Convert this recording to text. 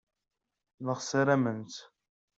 Neɣ ssarament-tt.